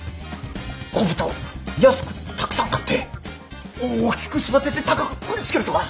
子豚を安くたくさん買って大きく育てて高く売りつけるとか！